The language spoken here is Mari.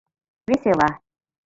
Весела.